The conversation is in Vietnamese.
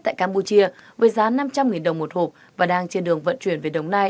tại campuchia với giá năm trăm linh đồng một hộp và đang trên đường vận chuyển về đồng nai